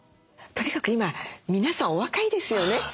とにかく今皆さんお若いですよね。